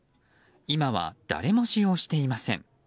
今は誰も使用していません。